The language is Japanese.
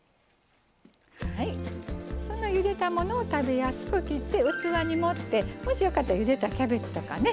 ゆでたものを食べやすく切って器に盛ってもしよかったらゆでたキャベツとかね